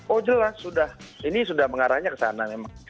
oh jelas sudah ini sudah mengarahnya ke sana memang